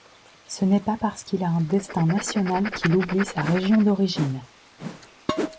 Ce n'est pas parce qu'il a un destin national, qu'il oublie sa région d'origine.